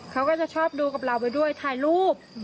เขาก็จะชอบดูกับเราไปด้วยถ่ายรูป